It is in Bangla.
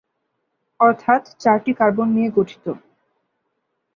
অর্থাৎ চারটি কার্বন নিয়ে গঠিত।